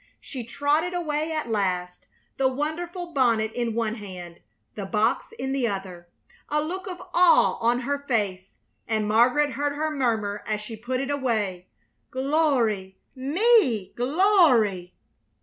She trotted away at last, the wonderful bonnet in one hand, the box in the other, a look of awe on her face, and Margaret heard her murmur as she put it away: "Glory! Me! Glory!"